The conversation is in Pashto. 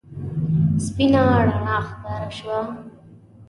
سپينه رڼا ښکارېده.